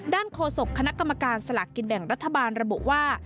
โฆษกคณะกรรมการสลากกินแบ่งรัฐบาลระบุว่า